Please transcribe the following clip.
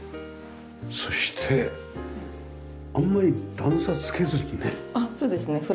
そしてあんまり段差つけずにね。